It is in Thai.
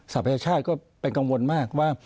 พัชชาติก็เป็นกังวลมากว่า